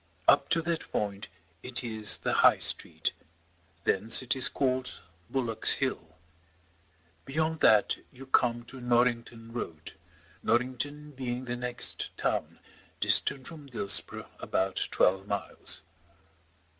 Up to that point it is the High Street, thence it is called Bullock's Hill. Beyond that you come to Norrington Road, Norrington being the next town, distant from Dillsborough about twelve miles.